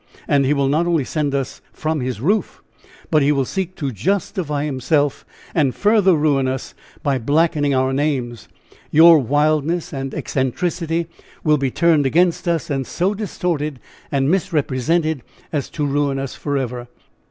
And he will not only send us from his roof, but he will seek to justify himself and further ruin us by blackening our names. Your wildness and eccentricity will be turned against us and so distorted and misrepresented as to ruin us forever."